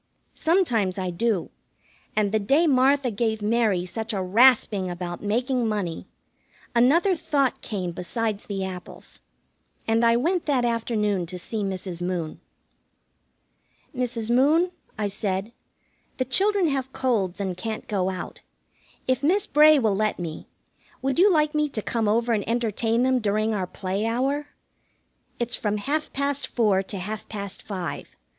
Sometimes I do, and the day Martha gave Mary such a rasping about making money, another thought came besides the apples, and I went that afternoon to see Mrs. Moon. "Mrs. Moon," I said, "the children have colds and can't go out. If Miss Bray will let me, would you like me to come over and entertain them during our play hour? It's from half past four to half past five.